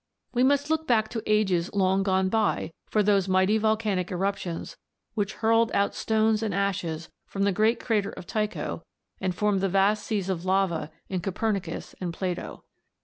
We must look back to ages long gone by for those mighty volcanic eruptions which hurled out stones and ashes from the great crater of Tycho, and formed the vast seas of lava in Copernicus and Plato.